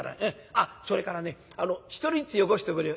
あっそれからね１人ずつよこしておくれよ。